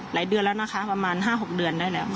เดือนแล้วนะคะประมาณ๕๖เดือนได้แล้ว